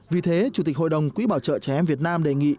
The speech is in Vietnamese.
vì thế chủ tịch hội đồng quỹ bảo trợ trẻ em việt nam đề nghị